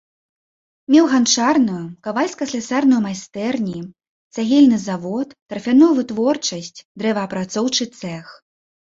Меў ганчарную, кавальска-слясарную майстэрні, цагельны завод, тарфяную вытворчасць, дрэваапрацоўчы цэх.